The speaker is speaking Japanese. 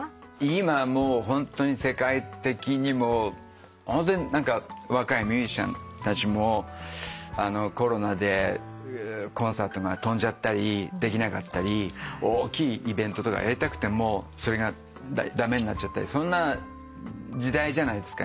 今世界的にも若いミュージシャンたちもコロナでコンサートが飛んじゃったりできなかったり大きいイベントとかやりたくても駄目になっちゃったりそんな時代じゃないですか今。